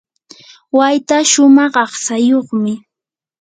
wayta shumaq aqtsayuqmi.